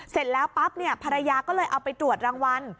เสร็จแล้วปั๊บเนี่ยภรรยาก็เลยเอาไปตรวจรางวัล